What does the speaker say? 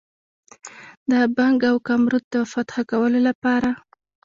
د بنګ او کامرود د فتح کولو لپاره.